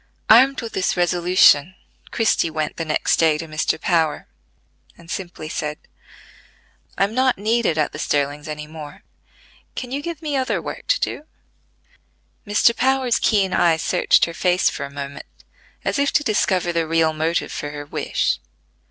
Armed with this resolution, Christie went the next day to Mr. Power, and simply said: "I am not needed at the Sterlings any more: can you give me other work to do?" Mr. Power's keen eye searched her face for a moment, as if to discover the real motive for her wish.